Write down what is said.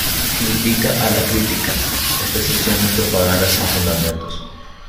Crítica a la crítica:esta sección es propaganda sin fundamentos.